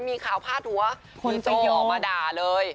มีข่าวพาดหัวคุณจีออกมาด่าเลย